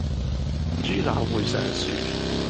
豬乸會上樹